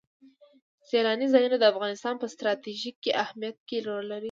سیلانی ځایونه د افغانستان په ستراتیژیک اهمیت کې رول لري.